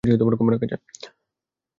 শরীরের মেটাবলিজম অনেক কম রাখা যায়।